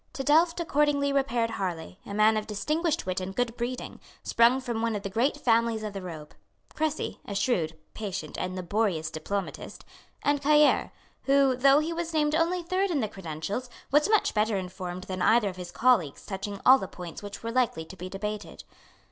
To Delft accordingly repaired Harlay, a man of distinguished wit and good breeding, sprung from one of the great families of the robe; Crecy, a shrewd, patient and laborious diplomatist; and Cailleres, who, though he was named only third in the credentials, was much better informed than either of his colleagues touching all the points which were likely to be debated.